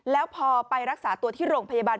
แล้วพอไปรักษาตัวที่โรงพยาบาล